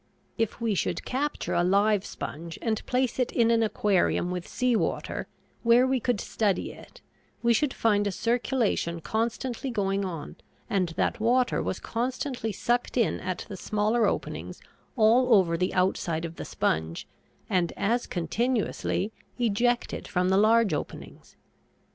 If we should capture a live sponge and place it in an aquarium with sea water, where we could study it, we should find a circulation constantly going on, and that water was constantly sucked in at the smaller openings all over the outside of the sponge and as continuously ejected from the large openings.